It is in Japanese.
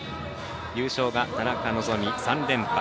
優勝が田中希実、３連覇。